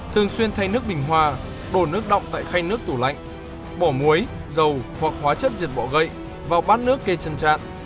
thường xuyên thay nước bình hoa đổ nước đọng tại khanh nước tủ lạnh bỏ muối dầu hoặc hóa chất diệt bọ gậy vào bát nước kê chân trạn